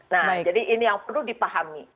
nah jadi ini yang perlu dipahami